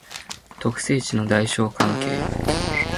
特性値の大小関係